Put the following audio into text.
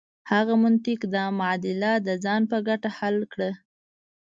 هغه منطق دا معادله د ځان په ګټه حل کړه.